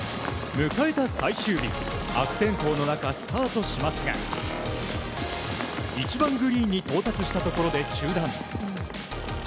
迎えた最終日悪天候の中、スタートしますが１番グリーンに到達したところで中断。